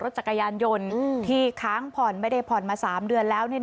จักรยานยนต์ที่ค้างผ่อนไม่ได้ผ่อนมา๓เดือนแล้ว